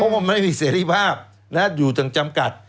เพราะว่ามันไม่มีเสรีภาพนะฮะอยู่ทางจำกัด